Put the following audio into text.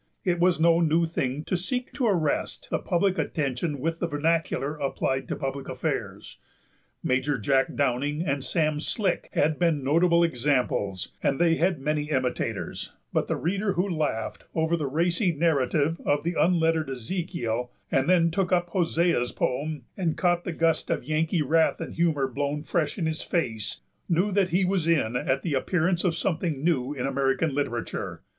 It was no new thing to seek to arrest the public attention with the vernacular applied to public affairs. Major Jack Downing and Sam Slick had been notable examples, and they had many imitators; but the reader who laughed over the racy narrative of the unlettered Ezekiel, and then took up Hosea's poem and caught the gust of Yankee wrath and humor blown fresh in his face, knew that he was in at the appearance of something new in American literature.